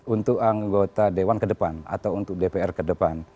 untuk anggota dewan ke depan atau untuk dpr ke depan